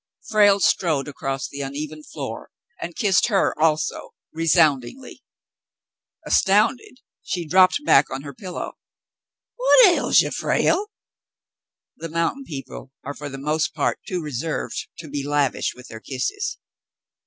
Frale strode across the uneven floor and kissed her also, resoundingly. Astounded, she dropped back on her pillow. "What ails ye, Frale !" The mountain people are for the most part too reserved to be lavish with their kisses.